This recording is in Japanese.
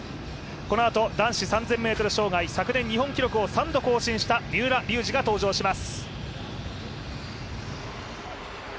このあと男子３０００ｍ障害、昨年日本記録を３度更新した三浦龍司が登場します。